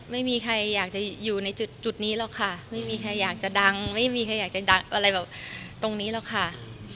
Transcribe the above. ไม่มีใครอยากจะอยู่ในจุดนี้หรอกค่ะไม่มีใครอยากจะดังไม่มีใครอยากจะดังอะไรแบบตรงนี้หรอกค่ะ